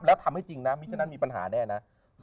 แล้วทำให้จริงนะมีฉะนั้นมีปัญหาแน่นะ